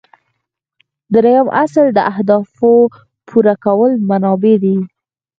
دریم اصل د اهدافو پوره کولو منابع دي.